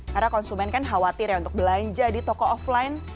karena konsumen kan khawatir ya untuk belanja di toko offline